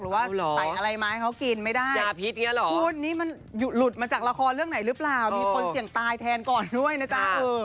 ว่าใส่อะไรมาให้เขากินไม่ได้คุณนี่มันหลุดมาจากละครเรื่องไหนหรือเปล่ามีคนเสี่ยงตายแทนก่อนด้วยนะจ๊ะ